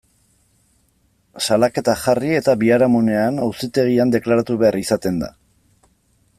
Salaketa jarri eta biharamunean, auzitegian deklaratu behar izaten da.